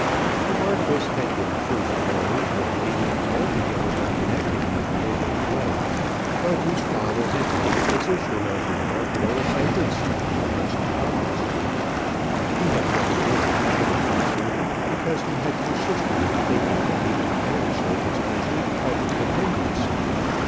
The Marquis had been first married to a lady altogether unconnected with noble blood, but whose father had held a position of remarkable ascendancy in the House of Commons. He had never been a Cabinet Minister, because he had persisted in thinking that he could better serve his country by independence.